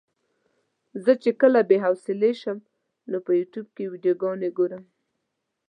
زه چې کله بې حوصلې شم نو په يوټيوب کې ويډيوګانې ګورم.